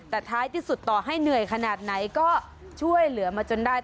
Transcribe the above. แต่ท้ายที่สุดต่อให้เหนื่อยขนาดไหนก็ช่วยเหลือมาจนได้